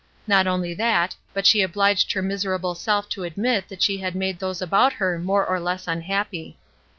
Not only that, but she obhged her miserable self to admit that she had made those about her more or less unhappy.